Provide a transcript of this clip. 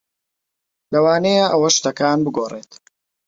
لەوانەیە ئەوە شتەکان بگۆڕێت.